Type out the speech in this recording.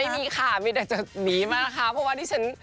ไม่มีค่ะมีได้ดื่มนี้มาละค่ะเพราะว่านี่ฉัน